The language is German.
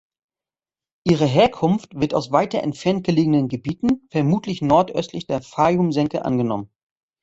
Ihre Herkunft wird aus weiter entfernt gelegenen Gebieten, vermutlich nordöstlich der Fayum-Senke, angenommen.